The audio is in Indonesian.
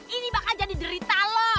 ini bakal jadi derita loh